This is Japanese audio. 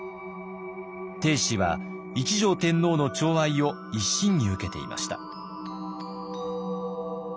定子は一条天皇のちょう愛を一身に受けていました。